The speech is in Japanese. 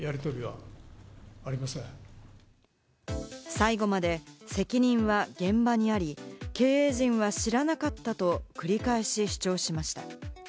最後まで責任は現場にあり、経営陣は知らなかったと繰り返し主張しました。